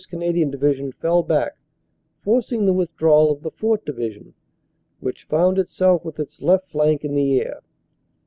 Canadian Division fell back, forcing the withdrawal of the 4th. Division, which found itself with its left flank in the air.